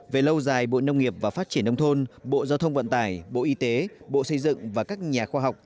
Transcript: về lâu dài bộ nông nghiệp và phát triển nông thôn bộ giao thông vận tải bộ y tế bộ xây dựng và các nhà khoa học